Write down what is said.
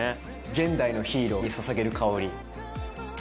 「現代のヒーローに捧げる香り」。